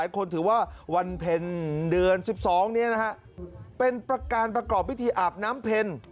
คนถือว่าวันเพ็ญเดือน๑๒นี้นะฮะเป็นประการประกอบพิธีอาบน้ำเพ็ญ